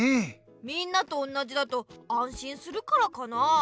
みんなとおんなじだとあんしんするからかなあ。